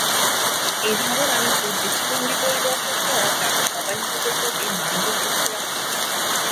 এভাবে মানুষের দৃষ্টিভঙ্গির পরিবর্তন করা যাতে সবাই শিশুদের প্রতি মানবিক দৃষ্টি রাখে।